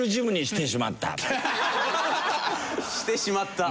「してしまった」。